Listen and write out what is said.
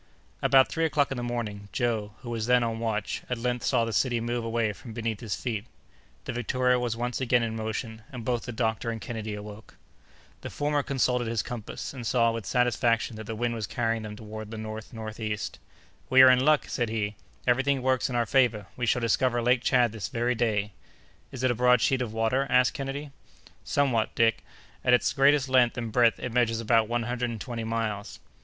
About three o'clock in the morning, Joe, who was then on watch, at length saw the city move away from beneath his feet. The Victoria was once again in motion, and both the doctor and Kennedy awoke. The former consulted his compass, and saw, with satisfaction, that the wind was carrying them toward the north northeast. "We are in luck!" said he; "every thing works in our favor: we shall discover Lake Tchad this very day." "Is it a broad sheet of water?" asked Kennedy. "Somewhat, Dick. At its greatest length and breadth, it measures about one hundred and twenty miles."